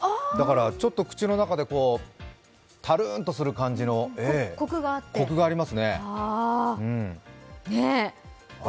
ちょっと口の中でたるんとする感じのコクがありますね。